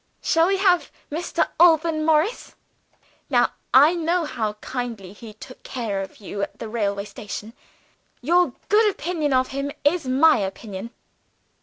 Shall we have Mr. Alban Morris? Now I know how kindly he took care of you at the railway station, your good opinion of him is my opinion.